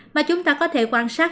mà chúng ta có thể quan sát